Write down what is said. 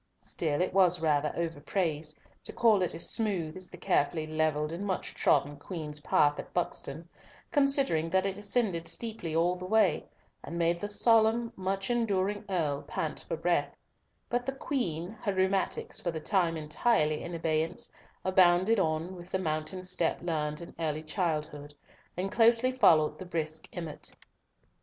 Still it was rather over praise to call it as smooth as the carefully levelled and much trodden Queen's path at Buxton, considering that it ascended steeply all the way, and made the solemn, much enduring Earl pant for breath; but the Queen, her rheumatics for the time entirely in abeyance, bounded on with the mountain step learned in early childhood, and closely followed the brisk Emmott.